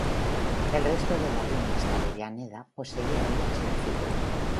El resto de la línea hasta Avellaneda poseía vía sencilla.